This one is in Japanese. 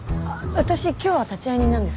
私今日は立会人なんです。